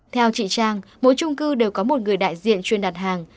theo chị trang mỗi trung cư đều có một người đại diện chuyên đặt hàng